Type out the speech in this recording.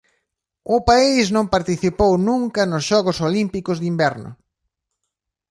O país non participou nunca nos Xogos Olímpicos de Inverno.